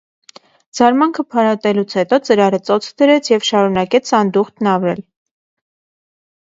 Զարմանքը փարատելուց հետո ծրարը ծոցը դրեց և շարունակեց սանդուղքն ավլել: